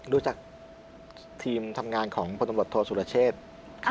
รู้จักทีมทำงานของพตโทสุรเชษฐ์